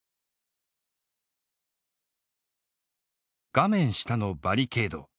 画面下のバリケード。